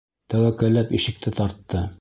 Тәүәккәлләп ишекте тартты.